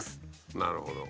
なるほど。